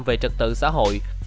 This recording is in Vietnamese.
về trật tự xã hội